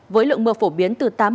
với lượng mưa phổ biến từ tám mươi